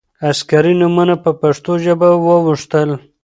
عسکري نومونه په پښتو ژبه واوښتل.